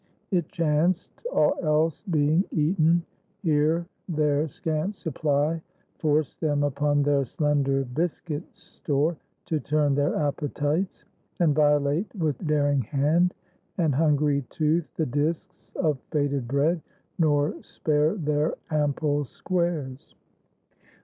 It chanced, All else being eaten, here their scant supply Forced them upon their slender biscuit store To turn their appetites, and violate With daring hand and hungry tooth the disks Of fated bread, nor spare their ample squares.